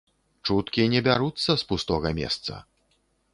Чуткі не бяруцца з пустога месца.